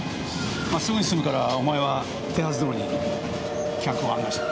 まあすぐに済むからお前は手はずどおりに客を案内してくれ。